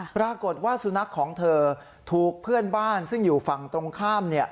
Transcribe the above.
ปรากฏว่าสุนัขของเธอถูกเพื่อนบ้านซึ่งอยู่ฝั่งตรงข้าม